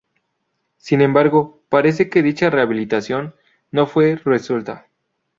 Sin embargo, parece que dicha rehabilitación no fue resuelta.